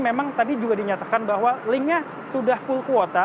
memang tadi juga dinyatakan bahwa linknya sudah full kuota